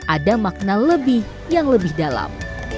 ada makna lebih yang lebih dalam